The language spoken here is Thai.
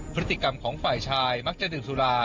พฤติกรรมของฝ่ายชายมักจะดื่มสุรา